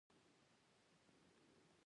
تۀ هم داسې فکر کوې؟